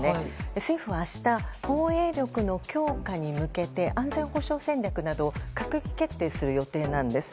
政府は明日防衛力の強化に向けて安全保障戦略など閣議決定する予定なんです。